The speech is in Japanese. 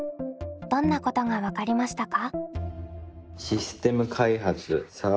どんなことが分かりましたか？